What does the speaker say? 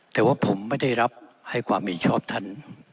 แต่ว่าผมไม่ได้รับให้ความเห็นชอบท่าน